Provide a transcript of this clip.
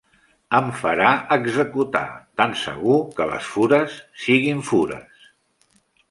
Em farà executar, tan segur que les fures siguin fures.